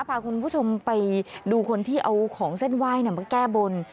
พาคุณผู้ชมไปดูคนที่เอาของเส้นไหว้มาแก้บน